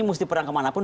mesti perang kemana pun